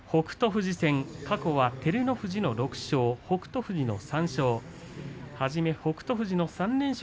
富士戦、過去は照ノ富士の６勝北勝富士の３勝。